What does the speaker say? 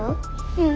うん。